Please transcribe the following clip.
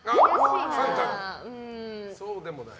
△、そうでもない？